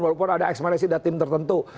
walaupun ada ekspresi datim tertentu